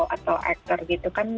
atau aktor gitu kan